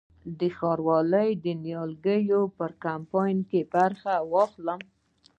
د ښاروالۍ د نیالګیو په کمپاین کې برخه واخلم؟